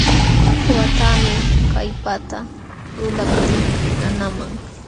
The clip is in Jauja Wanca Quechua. Waqtaami kallpata lulaptii nanaman.